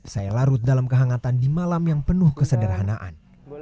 saya larut dalam kehangatan di malam yang penuh kesederhanaan